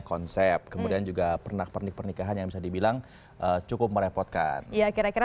konsep kemudian juga pernak pernik pernikahan yang bisa dibilang cukup merepotkan ya kira kira